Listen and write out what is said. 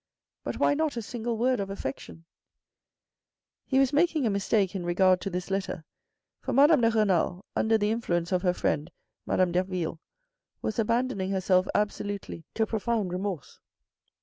But why not a single word of affection ?" He was making a mistake in regard to this letter, for Madame de Renal, under the influence of her friend, Madame Derville, was abandoning herself absolutely to profound remorse.